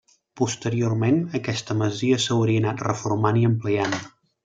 Posteriorment aquesta masia s'hauria anat reformant i ampliant.